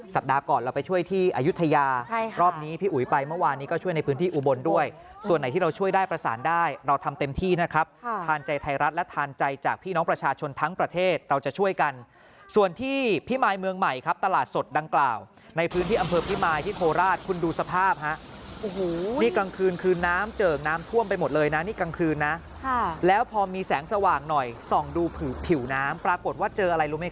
สัปดาห์ก่อนเราไปช่วยที่อายุทยารอบนี้พี่อุ๋ยไปเมื่อวานนี้ก็ช่วยในพื้นที่อุบลด้วยส่วนไหนที่เราช่วยได้ประสานได้เราทำเต็มที่นะครับทานใจไทยรัฐและทานใจจากพี่น้องประชาชนทั้งประเทศเราจะช่วยกันส่วนที่พิมายเมืองใหม่ครับตลาดสดดังกล่าวในพื้นที่อำเภอพิมายที่โทราชคุณดูสภาพฮะนี่กลางคื